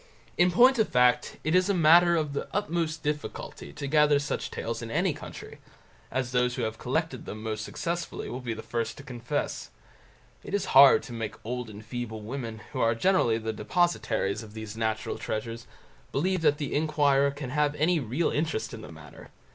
In point of fact, it is a matter of the utmost difficulty to gather such tales in any country, as those who have collected them most successfully will be the first to confess. It is hard to make old and feeble women, who generally are the depositaries of these national treasures, believe that the inquirer can have any real interest in the matter.